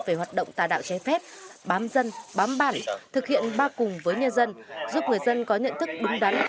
về hoạt động tà đạo trái phép bám dân bám bản thực hiện ba cùng với nhân dân giúp người dân có nhận thức đúng đắn